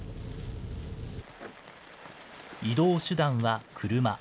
移動手段は車。